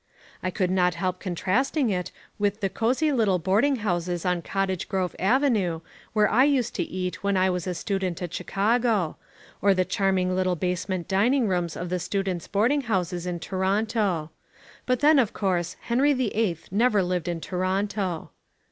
I could not help contrasting it with the cosy little boarding houses on Cottage Grove Avenue where I used to eat when I was a student at Chicago, or the charming little basement dining rooms of the students' boarding houses in Toronto. But then, of course, Henry VIII never lived in Toronto.